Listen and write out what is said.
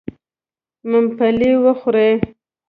ممپلي و خورئ.